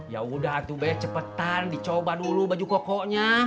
yaudah tube cepetan dicoba dulu baju kokonya